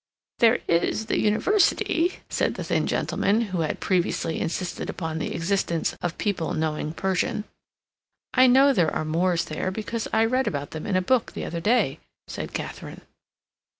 "There is the University," said the thin gentleman, who had previously insisted upon the existence of people knowing Persian. "I know there are moors there, because I read about them in a book the other day," said Katharine.